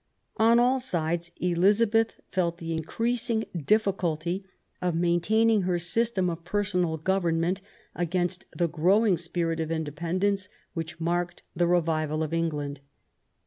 On all sides Elizabeth felt the increasing difficulty of maintaining her system of personal government against the growing spirit of independence which marked the revival of England.